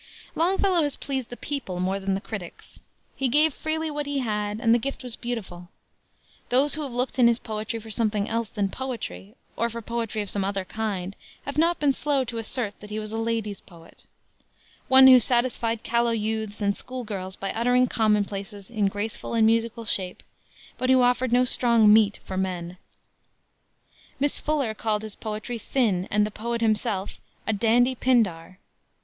Longfellow has pleased the people more than the critics. He gave freely what he had, and the gift was beautiful. Those who have looked in his poetry for something else than poetry, or for poetry of some other kind, have not been slow to assert that he was a lady's poet; one who satisfied callow youths and school girls by uttering commonplaces in graceful and musical shape, but who offered no strong meat for men. Miss Fuller called his poetry thin and the poet himself a "dandy Pindar."